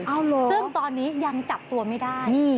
ซึ่งตอนนี้ยังจับตัวไม่ได้